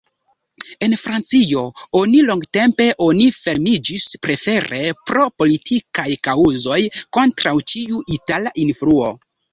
En Francio oni longtempe oni fermiĝis, prefere pro politikaj kaŭzoj, kontraŭ ĉiu itala influo.